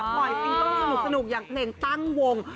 ปล่อยต้นต้นสนุกอย่างเน่งตั้งวง